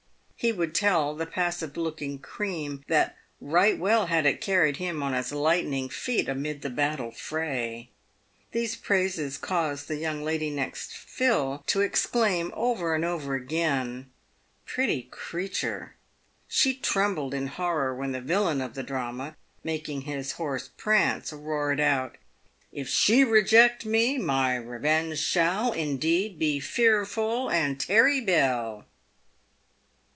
He would tell the passive looking cream, " that right well had it carried him on its lightning feet amid the battle fray." These praises caused the young lady next Phil to exclaim, over and over again, " Pretty creature !" She trembled in horror when the villain of the drama, making his horse prance, roared out, " If she reject me, my revenge shall, indeed, be fearfool and ter reebel."